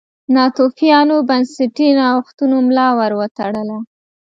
ناتوفیانو بنسټي نوښتونو ملا ور وتړله.